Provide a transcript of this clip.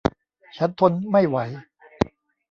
ฉันทนไม่ไหว